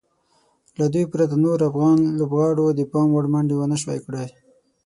له دوی پرته نورو افغان لوبغاړو د پام وړ منډې ونشوای کړای.